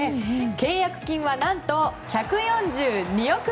契約金は何と１４２億円！